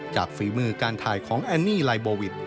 ฝีมือการถ่ายของแอนนี่ไลโบวิท